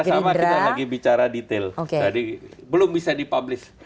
kalau kerjasama kita lagi bicara detail belum bisa di publish